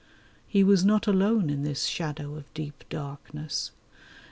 He was not alone in this shadow of deep darkness.